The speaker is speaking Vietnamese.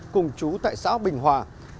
cùng chú tại xã bình hòa